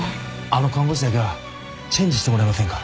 あの看護師だけはチェンジしてもらえませんか？